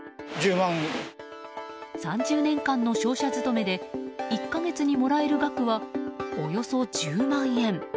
３０年間の商社勤めで１か月にもらえる額はおよそ１０万円。